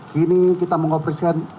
kini kita mengoperasikan